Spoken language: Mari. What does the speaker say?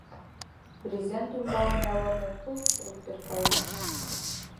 — Брезент ӱмбалне ала-мо пылт-полт перкала.